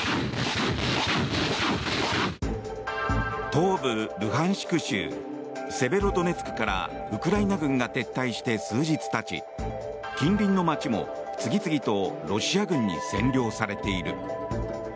東部ルハンシク州セベロドネツクからウクライナ軍が撤退して数日たち近隣の街も、次々とロシア軍に占領されている。